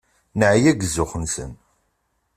Neɛya seg zzux-nsen.